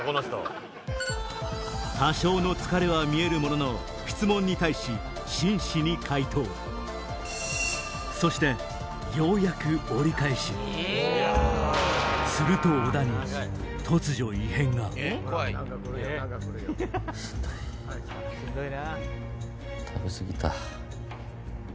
多少の疲れは見えるものの質問に対し真摯に回答そしてようやく折り返しすると突如しんどい。